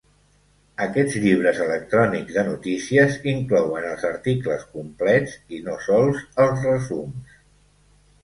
Aquests llibres electrònics de notícies inclouen els articles complets, i no sols els resums.